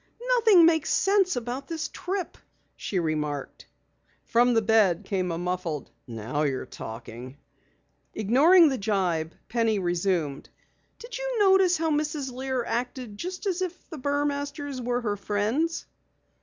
"Nothing makes sense about this trip," she remarked. From the bed came a muffled: "Now you're talking!" Ignoring the jibe, Penny resumed: "Did you notice how Mrs. Lear acted just as if the Burmasters were her friends."